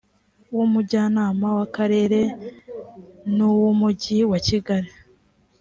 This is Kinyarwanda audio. w umujyanama w akarere n uw umujyi wa kigali